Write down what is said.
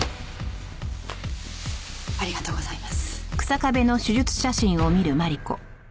ありがとうございます。